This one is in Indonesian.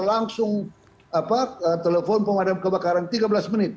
langsung telepon pemadam kebakaran tiga belas menit